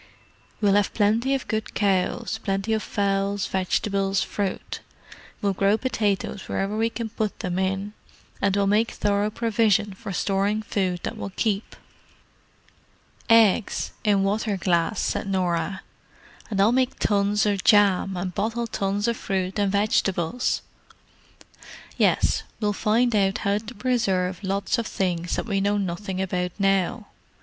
We'll have plenty of good cows, plenty of fowls, vegetables, fruit; we'll grow potatoes wherever we can put them in, and we'll make thorough provision for storing food that will keep." "Eggs—in water glass," said Norah. "And I'll make tons of jam and bottle tons of fruit and vegetables." "Yes. We'll find out how to preserve lots of things that we know nothing about now.